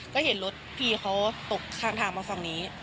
ก็เห็นรถพี่เขาตกข้างทางมาฝั่งนี้